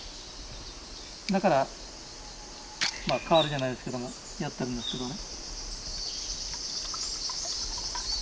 だからまあ代わりじゃないですけどもやってるんですけどね。